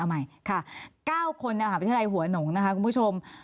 เอาใหม่ค่ะ๙คนพิธีไลน์หัวหนงนะคะคุณผู้ชม